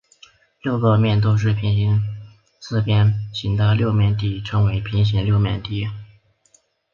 六个面都是平行四边形的六面体称为平行六面体。